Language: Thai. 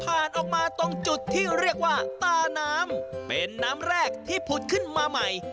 ผ่านออกมาตรงจุดที่เรียกว่าตาน้ำเป็นน้ำแรกที่ผุดขึ้นมาใหม่